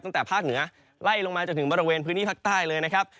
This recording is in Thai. ตั้งแต่ภาคเหนือไล่ลงมาจนถึงบริเวณพื้นที่ภาคใต้เลยนะครับ